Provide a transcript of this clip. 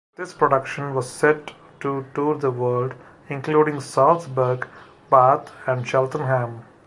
This production was set to tour the world, including Salzburg, Bath and Cheltenham.